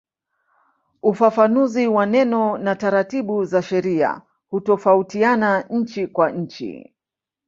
Ufafanuzi wa neno na taratibu za sheria hutofautiana nchi kwa nchi.